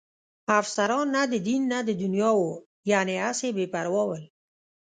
افسران نه د دین نه د دنیا وو، یعنې هسې بې پروا ول.